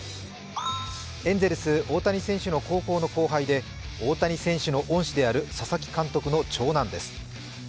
エンゼルス・大谷選手の高校の後輩で、大谷選手の恩師である佐々木監督の長男です。